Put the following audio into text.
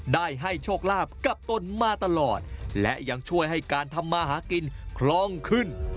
ได้ให้โชคลาภกับตนมาตลอดและยังช่วยให้การทำมาหากินคล่องขึ้น